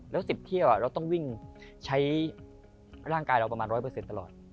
แล้ว๑๐เที่ยวเราต้องวิ่งใช้ร่างกายเราประมาณร้อยเปอร์เซ็นต์ตลอด